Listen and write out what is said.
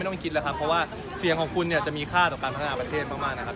ต้องคิดแล้วครับเพราะว่าเสียงของคุณเนี่ยจะมีค่าต่อการพัฒนาประเทศมากนะครับ